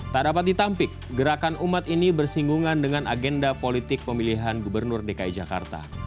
tak dapat ditampik gerakan umat ini bersinggungan dengan agenda politik pemilihan gubernur dki jakarta